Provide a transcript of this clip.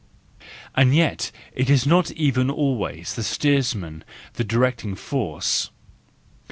And yet it is not even always the steersman, the directing force.